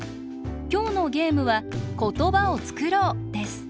きょうのゲームは「ことばをつくろう」です。